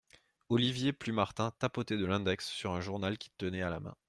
Olivier Plumartin tapotait de l'index sur un journal qu'il tenait à la main.